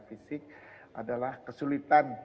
fisik adalah kesulitan